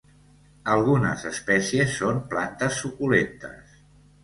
Algunes espècies són plantes suculentes.